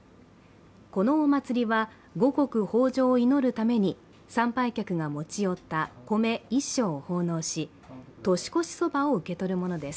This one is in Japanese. このお祭りは五穀豊穣を祈るために参拝客が持ち寄った米１升を奉納し年越しそばを受け取るものです。